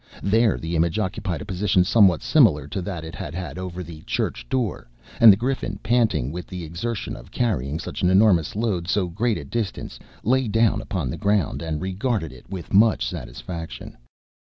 There the image occupied a position somewhat similar to that it had had over the church door; and the Griffin, panting with the exertion of carrying such an enormous load to so great a distance, lay down upon the ground, and regarded it with much satisfaction.